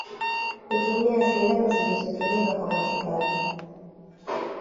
Kutumia sindano zilizotumika kwa matibabu